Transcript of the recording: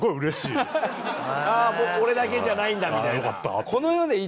ああもう俺だけじゃないんだみたいな。